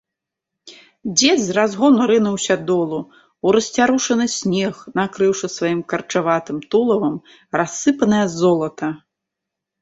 Дзед з разгону рынуўся долу, у расцярушаны снег, накрыўшы сваім карчаватым тулавам рассыпанае золата.